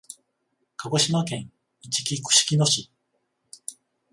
鹿児島県いちき串木野市